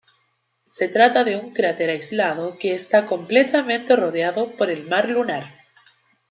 Se trata de un cráter aislado que está completamente rodeado por el mar lunar.